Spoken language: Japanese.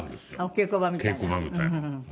稽古場みたいなの。